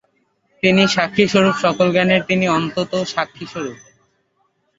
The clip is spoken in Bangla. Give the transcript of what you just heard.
তিনি সাক্ষিস্বরূপ, সকল জ্ঞানের তিনি অনন্ত সাক্ষিস্বরূপ।